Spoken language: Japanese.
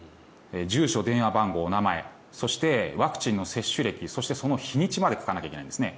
住所、電話番号、名前そして、ワクチンの接種歴そして日にちまで書かないといけないんですね。